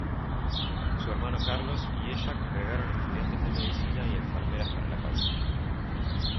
Su hermano Carlos, y ella congregaron estudiantes de medicina y enfermeras para la causa.